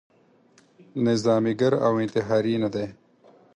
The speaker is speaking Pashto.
نظاميګر او انتحاري نه دی.